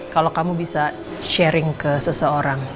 kalau kamu bisa sharing ke seseorang